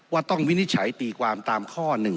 ต้องวินิจฉัยตีความตามข้อ๑๑